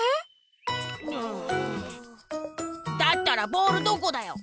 だったらボールどこだよ？